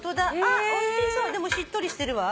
おいしそうでもしっとりしてるわ。